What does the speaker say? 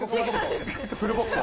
フルボッコ。